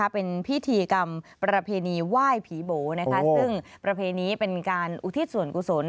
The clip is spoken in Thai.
เป็นพิธีกรรมประเพณีไหว้ผีโบซึ่งประเพณีเป็นการอุทิศส่วนกุศล